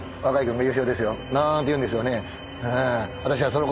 なーんて言うんですよね。